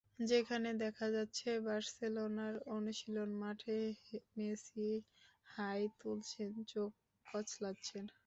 যেখানে দেখা যাচ্ছে বার্সেলোনার অনুশীলন মাঠে মেসি হাই তুলছেন, চোখ কচলাচ্ছেন।